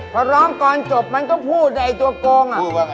พอล้อมก่อนจบเขาพูดไอตัวกง